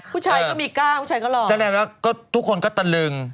ผู้ชายก็มีกล้าผู้ชายก็หล่อแสดงว่าก็ทุกคนก็ตะลึง